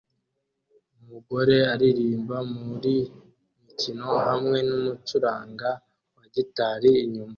Umugore aririmba muri mikoro hamwe numucuranga wa gitari inyuma